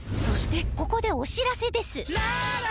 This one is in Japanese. そしてここでお知らせです。